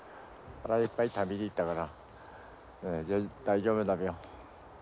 腹いっぱい食べてったから大丈夫だべよ。